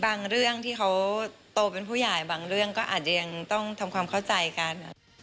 เรื่องที่เขาโตเป็นผู้ใหญ่บางเรื่องก็อาจจะยังต้องทำความเข้าใจกัน